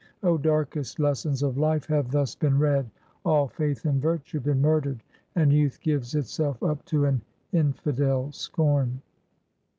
Oh, darkest lessons of Life have thus been read; all faith in Virtue been murdered, and youth gives itself up to an infidel scorn.